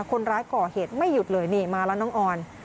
คนร้ายก่อเหตุไม่หยุดเลยนี่มาแล้วน้องออน